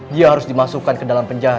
dia harus dimasukkan ke dalam penjara